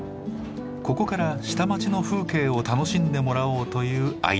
ここから下町の風景を楽しんでもらおうというアイデアです。